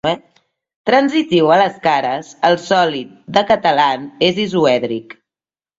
Transitiu a les cares, el sòlid de Catalan és isoèdric.